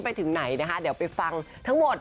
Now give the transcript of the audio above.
ไปถึงไหนนะคะเดี๋ยวไปฟังทั้งหมด